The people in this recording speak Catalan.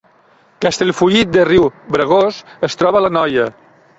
Castellfollit de Riubregós es troba a l’Anoia